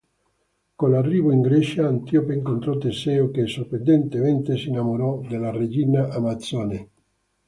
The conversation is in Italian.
Con l'arrivo in Grecia, Antiope incontrò Teseo che, sorprendentemente, si innamorò della Regina Amazzone.